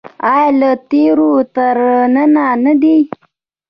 آیا له تیرو تر ننه نه دی؟